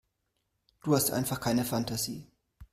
Du hast einfach keine Fantasie.